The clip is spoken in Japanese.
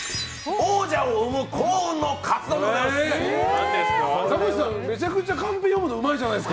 王者を生む幸運のカツ丼でございます。